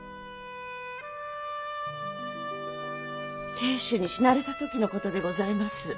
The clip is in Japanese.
亭主に死なれた時の事でございます。